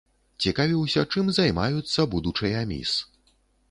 Цікавіўся, чым займаюцца будучыя міс.